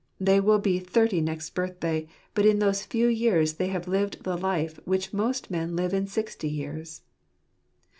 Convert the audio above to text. They will be thirty next birthday ; but in those few years they have lived the life which most men live in sixty years.